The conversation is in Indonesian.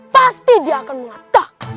pasti dia akan mengatakan